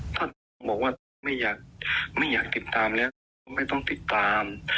ท่านก็บอกว่าไม่อยากไม่อยากติดตามแล้วก็ไม่ต้องติดตาม